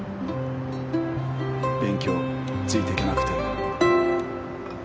勉強ついていけなくて。